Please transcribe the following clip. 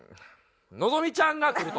のぞみちゃんが来ると。